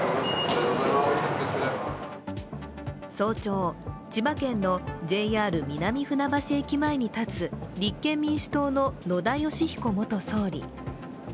早朝、千葉県のＪＲ南船橋駅前に立つ立憲民主党の野田佳彦元総理。